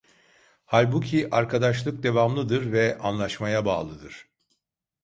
Halbuki arkadaşlık devamlıdır ve anlaşmaya bağlıdır.